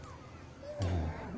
うん。